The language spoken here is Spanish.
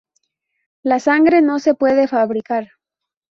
La sangre no se puede fabricar.